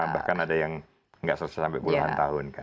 bahkan ada yang nggak selesai sampai puluhan tahun kan